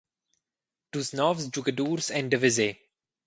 Dus novs giugadurs ein da veser.